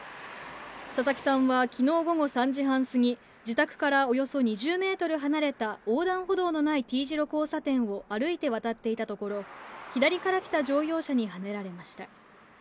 佐々木さんはきのう午後３時半過ぎ、自宅からおよそ２０メートル離れた横断歩道のないＴ字路交差点を歩いて渡っていたところ、左から来た乗用車にはねられました。